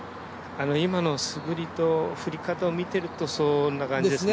今の素振りと振り方見ているとそんな感じですよね。